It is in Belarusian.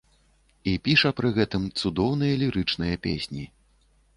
І піша пры гэтым цудоўныя лірычныя песні.